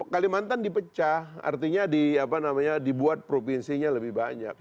kalimantan dipecah artinya dibuat provinsinya lebih banyak